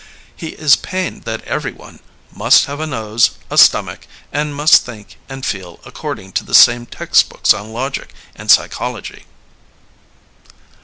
He is pained that everyone ^^must have a nose, a stom ach, and must think and feel according to the same textbooks on logic and psychology.